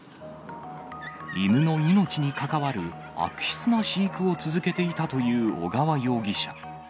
犬の命に関わる悪質な飼育を続けていたという尾川容疑者。